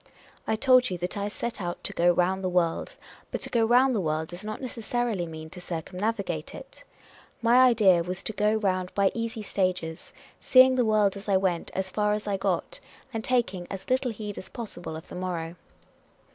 I told you that I set out to go round the world ; but to go round the world does not necessarily mean to circumnavigate it. My idea was to go round by easy stages, seeing the world as I went as far as I got, and taking as little heed as possible of the morrow.